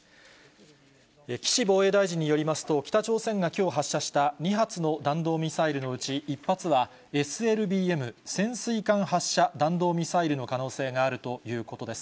岸防衛大臣によりますと、北朝鮮がきょう発射した２発の弾道ミサイルのうち１発は、ＳＬＢＭ・潜水艦発射弾道ミサイルの可能性があるということです。